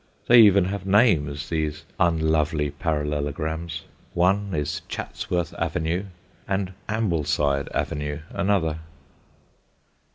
They even have names, these unlovely parallelograms: one is Chatsworth Avenue, and Ambleside Avenue another.